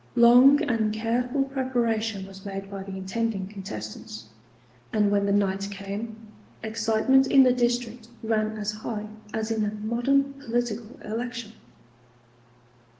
Long and careful preparation was made by the intending contestants; and when the night came, excitement in the district ran as high as in a modern political election.